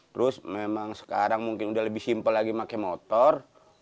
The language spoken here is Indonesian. terus memang sekarang mungkin udah lebih simpel lagi pakai motor